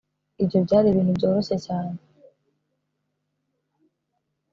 Ibyo byari ibintu byoroshye cyane